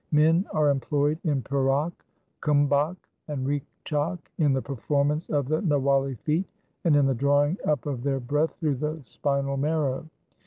Men are employed in purak, kumbhak and rechak, in the performance of the niwali feat, and in the drawing up of their breath through the spinal marrow.